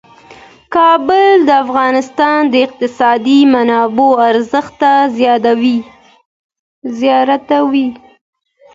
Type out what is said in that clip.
کابل د افغانستان د اقتصادي منابعو ارزښت زیاتوي.